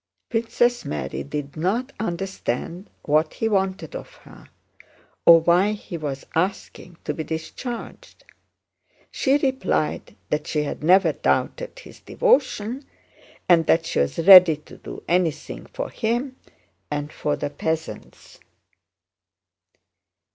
Princess Mary did not understand what he wanted of her or why he was asking to be discharged. She replied that she had never doubted his devotion and that she was ready to do anything for him and for the peasants.